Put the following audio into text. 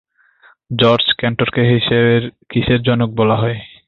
George ক্যান্টরকে কিসের জনক বলা হয়?